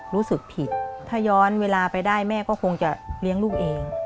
รู้สึกผิดถ้าย้อนเวลาไปได้แม่ก็คงจะเลี้ยงลูกเอง